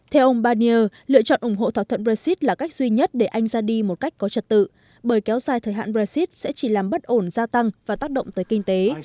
theo ông barnier lựa chọn ủng hộ thỏa thuận brexit là cách duy nhất để anh ra đi một cách có trật tự bởi kéo dài thời hạn brexit sẽ chỉ làm bất ổn gia tăng và tác động tới kinh tế